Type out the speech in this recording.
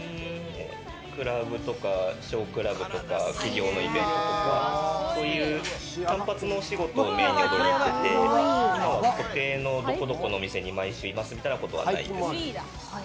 クラブとかショークラブとか企業のイベントとか単発のお仕事をメーンに行ってて、今は固定の、どこどこの店に毎週いますみたいなことはないです。